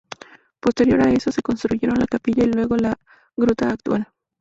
Posterior a eso se construyeron la capilla y luego la gruta actual.